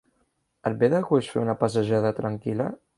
Et ve de gust fer una passejada tranquil·la?